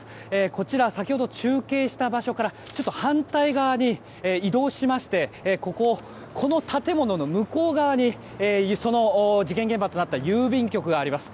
こちら、先ほど中継した場所から反対側に移動しましてこの建物の向こう側にその事件現場となった郵便局があります。